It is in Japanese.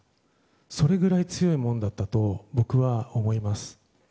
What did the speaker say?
それぐらい強いものだったと僕は思います。